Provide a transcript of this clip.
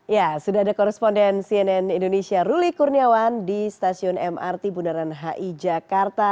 ya sudah ada koresponden cnn indonesia ruli kurniawan di stasiun mrt bundaran hi jakarta